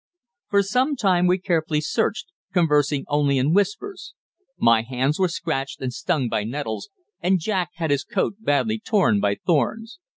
For some time we carefully searched, conversing only in whispers. My hands were scratched, and stung by nettles, and Jack had his coat badly torn by thorns.